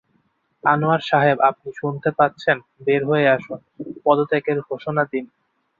আনোয়ার সাহেব আপনি শুনতে পাচ্ছেন, বের হয়ে আসুন, পদত্যাগের ঘোষণা দিন।